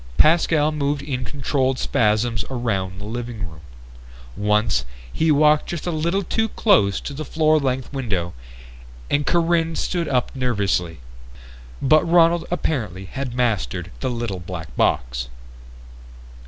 Pascal moved in controlled spasms around the living room. Once, he walked just a little too close to the floor length window and Corinne stood up nervously. But Ronald apparently had mastered the little black box.